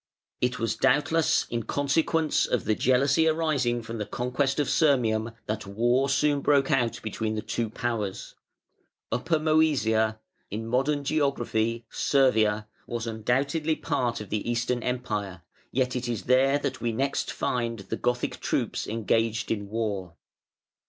It was doubtless in consequence of the jealousy, arising from the conquest of Sirmium, that war soon broke out between the two powers. Upper Mœsia (in modern geography Servia) was undoubtedly part of the Eastern Empire, yet it is there that we next find the Gothic troops engaged in war.